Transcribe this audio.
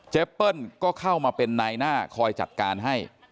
เปิ้ลก็เข้ามาเป็นนายหน้าคอยจัดการให้